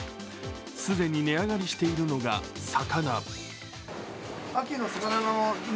既に値上がりしているのが、魚。